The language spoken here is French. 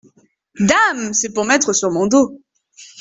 Dame ! c’est pour mettre sur mon dos.